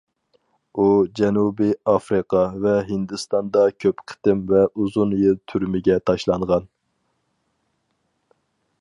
ئۇ جەنۇبىي ئافرىقا ۋە ھىندىستاندا كۆپ قېتىم ۋە ئۇزۇن يىل تۈرمىگە تاشلانغان.